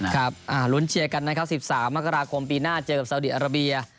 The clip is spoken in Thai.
ครับลุ้นเชียร์กันนะครับ๑๓มกราคมปีหน้าเจอกับสาวดีอาราเบีย